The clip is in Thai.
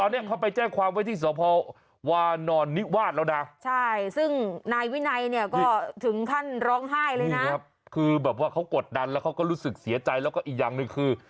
แล้วเขาก็รู้สึกเสียใจแล้วก็อีกอย่างหนึ่งคือ